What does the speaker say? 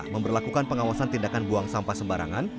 memperlakukan pengawasan tindakan buang sampah sembarangan